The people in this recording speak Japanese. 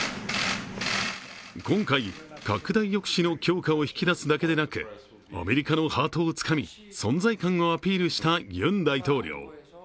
今回、拡大抑止の強化を引き出すだけでなくアメリカのハートをつかみ、存在感をアピールしたユン大統領。